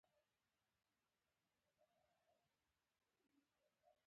څماولنګ